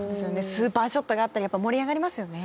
スーパーショットがあったらやっぱり盛り上がりますよね。